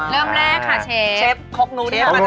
เริ่มแรกค่ะเชฟ